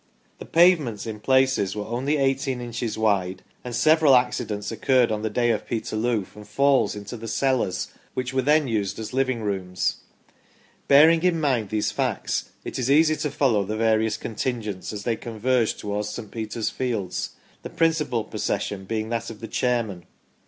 The pavements in places were only 1 8 inches wide, and several accidents occurred on the day of Peterloo from falls into the cellars which were then used as living rooms. Bearing in mind these facts, it is easy to follow the various contingents as they converged towards St. Peter's fields, the principal procession being that of the chairman.